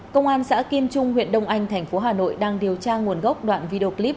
công an xã kim trung huyện đông anh thành phố hà nội đang điều tra nguồn gốc đoạn video clip